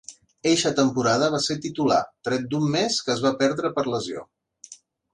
Eixa temporada va ser titular, tret d'un mes que es va perdre per lesió.